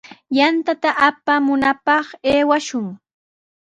Yantata apamunapaq aywashun.